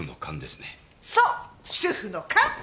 そう主婦の勘！